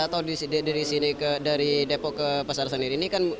atau dari depok ke pasar senen ini kan